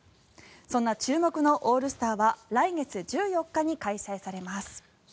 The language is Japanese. そんな注目のオールスターは来月１４日に開催されます。